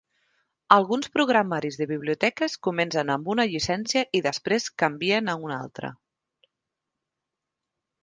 Alguns programaris de biblioteques comencen amb una llicència i després canvien a una altra.